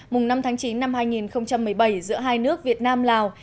mùng năm tháng chín năm hai nghìn một mươi bảy giữa hai nước việt nam lào